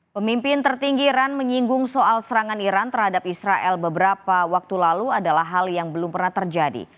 pemimpin tertinggi iran menyinggung soal serangan iran terhadap israel beberapa waktu lalu adalah hal yang belum pernah terjadi